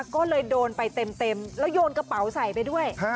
ก็เลยโดนไปเต็มแล้วโยนกระเป๋าใส่ไปด้วย